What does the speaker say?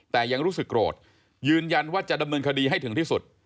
แต่ยังรู้สึกโกรธยืนยันว่าจะดำเนินคดีให้ถึงที่สุด